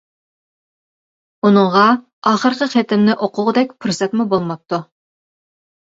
ئۇنىڭغا ئاخىرقى خېتىمنى ئوقۇغۇدەك پۇرسەتمۇ بولماپتۇ!